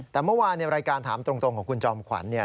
แต่เมื่อวานในรายการถามตรงของคุณจอมขวัญ